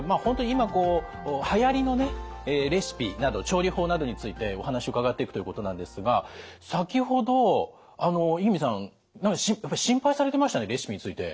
今はやりのレシピなど調理法などについてお話伺っていくということなんですが先ほど五十君さん心配されてましたねレシピについて。